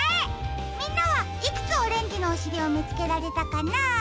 みんなはいくつオレンジのおしりをみつけられたかな？